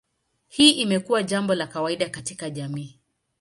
Hii imekuwa jambo la kawaida katika jamii.